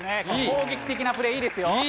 攻撃的なプレー、いいですよ。